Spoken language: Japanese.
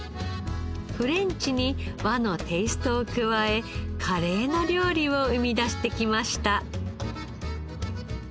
フレンチに和のテイストを加え華麗な料理を生み出してきました。